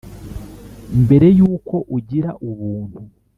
mbere yuko ugira ubuntu